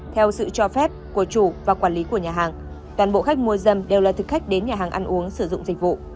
theo sự cho phép của chủ và quản lý của nhà hàng toàn bộ khách mua dâm đều là thực khách đến nhà hàng ăn uống sử dụng dịch vụ